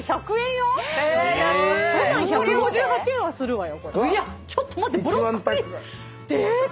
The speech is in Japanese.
都内１５８円はするわよ。